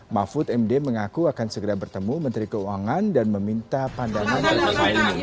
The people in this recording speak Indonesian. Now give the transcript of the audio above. mahfud md mengaku akan segera bertemu menteri keuangan dan meminta pandangan